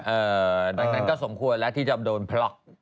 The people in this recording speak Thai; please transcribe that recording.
ดังนั้นก็สมควรแล้วที่จะโดนบล็อก